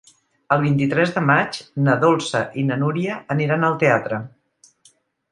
El vint-i-tres de maig na Dolça i na Núria aniran al teatre.